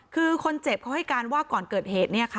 คือคนเจ็บเขาให้การว่าก่อนเกิดเหตุ